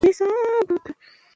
کښتونه له منځه ځي.